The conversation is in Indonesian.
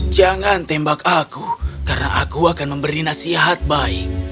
jangan tembak aku karena aku akan memberi nasihat baik